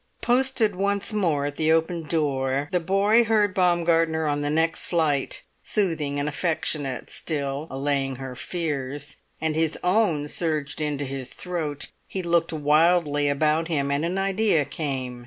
Posted once more at the open door, the boy heard Baumgartner on the next flight, soothing and affectionate still, allaying her fears; and his own surged into his throat. He looked wildly about him, and an idea came.